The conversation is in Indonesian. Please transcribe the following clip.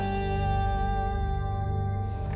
tujuan kita kesini